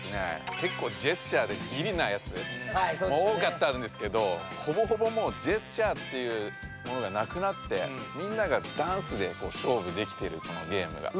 けっこうジェスチャーでギリなやつもおおかったんですけどほぼほぼもうジェスチャーっていうものがなくなってみんながダンスで勝負できてるこのゲームが。